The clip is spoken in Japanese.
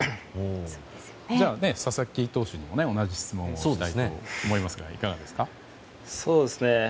佐々木投手にも同じ質問をしたいと思いますがいかがですか？